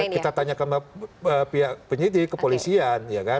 kita tanya ke pihak penyidik ke polisian